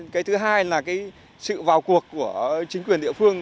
cái thứ hai là cái sự vào cuộc của chính quyền địa phương